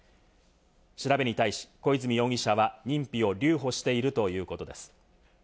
調べに対し、小泉容疑者は認否を留保しているということです。